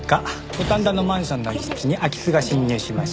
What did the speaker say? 五反田のマンションの一室に空き巣が侵入しました。